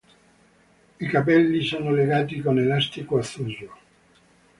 I capelli sono legati con elastico azzurro.